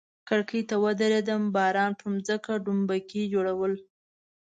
کړکۍ ته ودریدم، باران پر مځکه ډومبکي جوړول.